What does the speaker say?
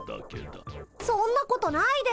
そんなことないです。